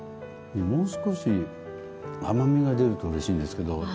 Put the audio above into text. もう少し甘みが出ると嬉しいんですけど